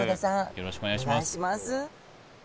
よろしくお願いします。